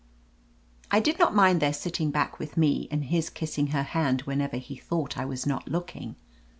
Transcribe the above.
I did not mind their sitting back with me, and his kissing her hand whenever he thought I was not looking.